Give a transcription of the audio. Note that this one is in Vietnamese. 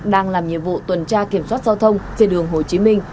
đang làm nhiệm vụ tuần tra kiểm soát giao thông trên đường hồ chí minh